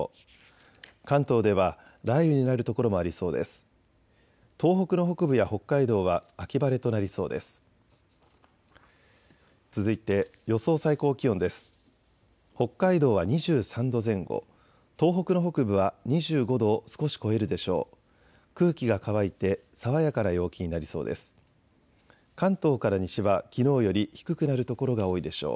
北海道は２３度前後、東北の北部は２５度を少し超えるでしょう。